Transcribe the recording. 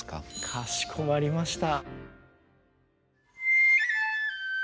かしこまりました。